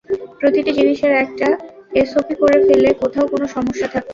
প্রতিটি জিনিসের একটা এসওপি করে ফেললে কোথাও কোনো সমস্যা থাকত না।